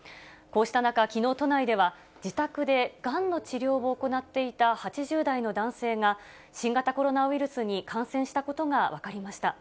こうした中、きのう都内では、自宅でがんの治療を行っていた８０代の男性が、新型コロナウイルスに感染したことが分かりました。